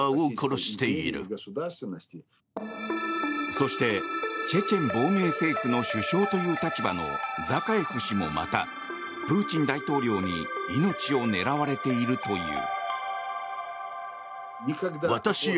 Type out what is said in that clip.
そして、チェチェン亡命政府の首相という立場のザカエフ氏もまたプーチン大統領に命を狙われているという。